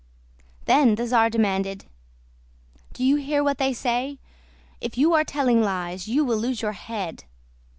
Then the czar demanded: "Do you hear what they say? If you are telling lies, you will lose your head.